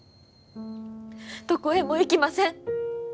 どこへも行きません。